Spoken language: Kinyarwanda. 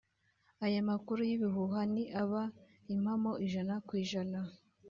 Aya makuru y'ibihuha ni aba impamo ijana ku ijana